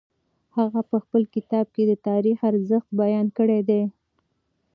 هغه په خپل کتاب کي د تاریخ ارزښت بیان کړی دی.